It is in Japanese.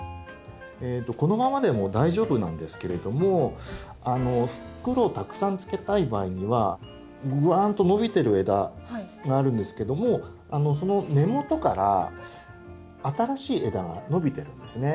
このままでも大丈夫なんですけれども袋をたくさんつけたい場合にはぐわんと伸びてる枝があるんですけどもその根元から新しい枝が伸びてるんですね